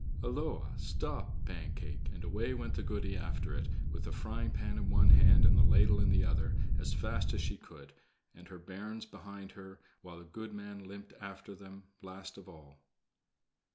"Holloa! Stop, Pancake!" and away went the goody after it, with the frying pan in one hand and the ladle in the other, as fast as she could, and her bairns behind her, while the goodman limped after them last of all.